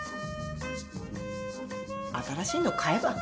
新しいの買えば？